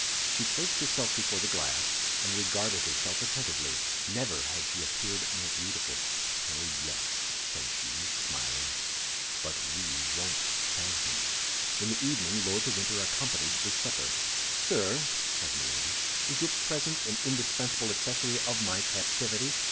She placed herself before the glass, and regarded herself attentively; never had she appeared more beautiful. "Oh, yes," said she, smiling, "but we won't tell him!" In the evening Lord de Winter accompanied the supper. "Sir," said Milady, "is your presence an indispensable accessory of my captivity?